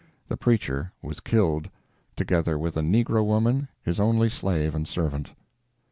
The preacher was killed, together with a negro woman, his only slave and servant.